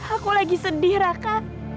aku sedih raka